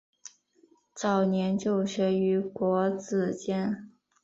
早年就学于国子监。